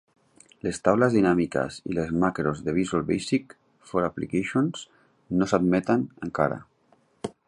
Les taules dinàmiques i les macros de Visual Basic for Applications no s'admeten encara.